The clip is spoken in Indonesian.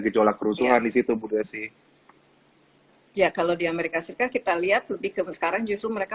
gejolak kerusuhan di situ bu desi ya kalau di amerika serikat kita lihat lebih ke sekarang justru mereka